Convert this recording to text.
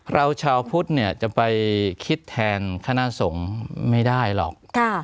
เราชาวพุทธเนี่ยจะไปคิดแทนคณะสงฆ์ไม่ได้หรอก